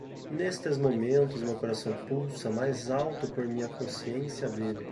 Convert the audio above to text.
Nestes momentos meu coração pulsa mais alto por minha consciência dele.